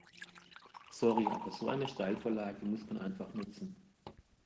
Sorry, aber so eine Steilvorlage muss man einfach nutzen.